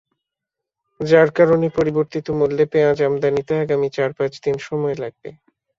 যার কারণে পরিবর্তিত মূল্যে পেঁয়াজ আমদানিতে আগামী চার-পাঁচ দিন সময় লাগবে।